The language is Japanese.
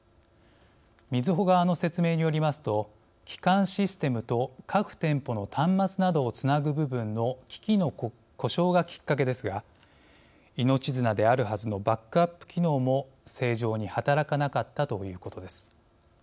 みずほ側の説明によりますと基幹システムと各店舗の端末などをつなぐ部分の機器の故障がきっかけですが命綱であるはずのバックアップ機能も正常に働かなかったということです。